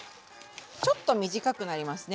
ちょっと短くなりますね